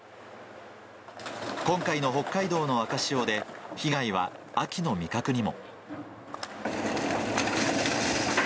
今回の北海道の赤潮で、被害は秋の味覚にも。